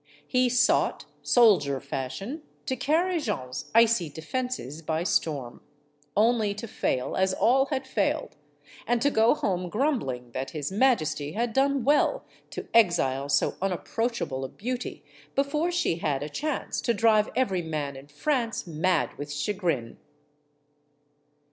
He sought, soldier fashion, to carry Jeanne's icy defenses by storm; only to fail as all had failed and to go home grumbling that his majesty had done well to exile so unapproachable a beauty before she had a chance to drive every man in France mad with chagrin.